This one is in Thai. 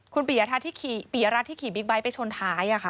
คุณปริยรัตน์ที่ขี่บิ๊กไบท์ไปชนท้ายอ่ะค่ะ